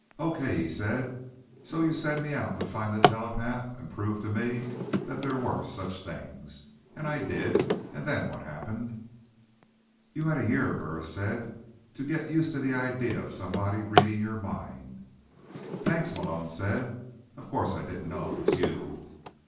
"Okay," he said. "So you sent me out to find a telepath and to prove to me that there were such things. And I did. And then what happened?" "You had a year," Burris said, "to get used to the idea of somebody reading your mind." "Thanks," Malone said. "Of course, I didn't know it was you."